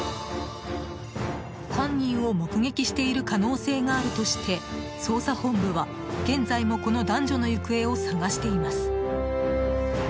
犯人を目撃している可能性があるとして捜査本部は現在もこの男女の行方を捜しています。